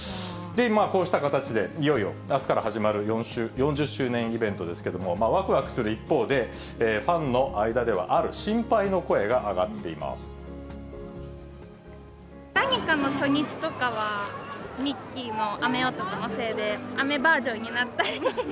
こうした形でいよいよあすから始まる４０周年イベントですけれども、わくわくする一方で、ファンの間では、ある心配の声が上がっ何かの初日とかは、ミッキーの雨男のせいで、雨バージョンになったり。